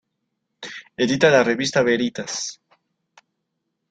Edita la revista "Veritas".